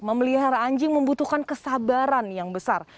memelihara anjing membutuhkan kesabaran yang besar